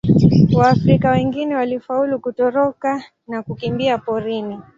Waafrika wengine walifaulu kutoroka na kukimbia porini.